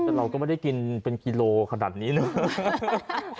แต่เราก็ไม่ได้กินเป็นกิโลขนาดนี้เลย